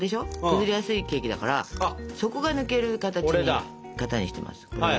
崩れやすいケーキだから底が抜ける型にしてます。